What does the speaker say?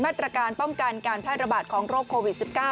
มาตรการป้องกันการแพร่ระบาดของโรคโควิด๑๙